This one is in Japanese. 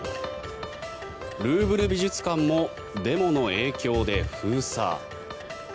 ルーブル美術館もデモの影響で封鎖。